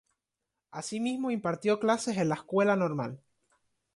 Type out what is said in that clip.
Asimismo impartió clases en la Escuela Normal.